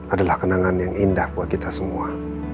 adalah kenangan yang indah buat kita semua